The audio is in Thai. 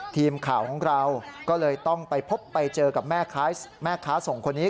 ทีมข่าวของเราก็เลยต้องไปพบไปเจอกับแม่ค้าส่งคนนี้